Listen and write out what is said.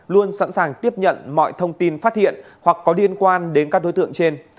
luôn sẵn sàng tiếp nhận mọi thông tin phát hiện hoặc có liên quan đến các đối tượng trên